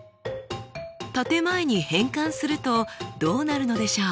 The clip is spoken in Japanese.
建て前に変換するとどうなるのでしょう？